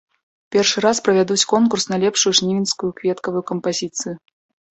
Першы раз правядуць конкурс на лепшую жнівеньскую кветкавую кампазіцыю.